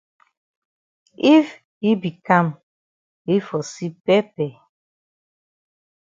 If yi be kam yi for see pepper.